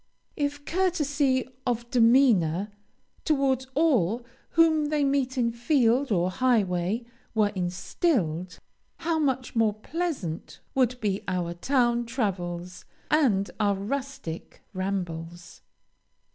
If courtesy of demeanor, towards all whom they meet in field or highway, were instilled, how much more pleasant would be our town travels, and our rustic rambles!